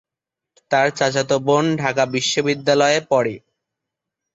তার চাচাতো বোন ঢাকা বিশ্ববিদ্যালয়ে পড়ে।